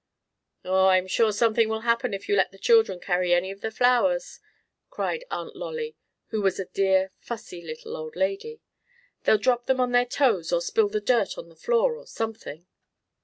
"Oh, I'm sure something will happen if you let the children carry any of the flowers!" cried Aunt Lolly, who was a dear, fussy little old lady. "They'll drop them on their toes, or spill the dirt on the floor or something."